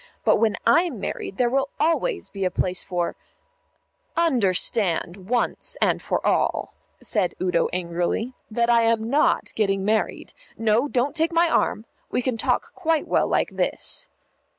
But when I'm married, there will always be a place for " "Understand once and for all," said Udo angrily, "that I am not getting married. No, don't take my arm we can talk quite well like this."